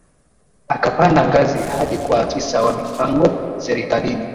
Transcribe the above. Akapanda ngazi hadi kuwa afisa wa mipango serikalini